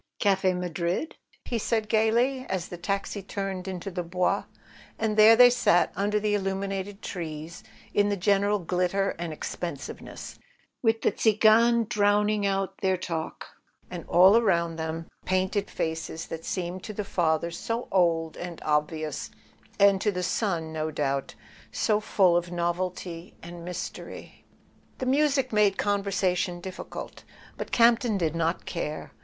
"Madrid, is it?" he said gaily, as the taxi turned into the Bois; and there they sat under the illuminated trees, in the general glitter and expensive¬ ness, with the Tziganes playing down their talk, and all around them the painted faces that seemed to the father so old and obvious, and to the son, no doubt, so full of novelty and mystery. The music made conversation difficult; but Campton did not care.